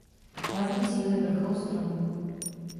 Hlavní cíl je vrchol stromu.